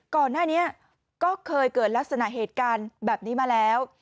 ก่อนหน้านี้ก็เคยเกิดลักษณะเหตุการณ์แบบนี้มาแล้ว